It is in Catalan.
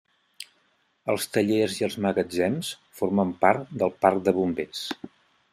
Els tallers i magatzems, formen part del parc de bombers.